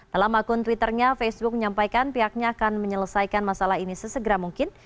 dalam akun twitternya facebook menyampaikan pihaknya akan menyelesaikan masalah ini sesegera mungkin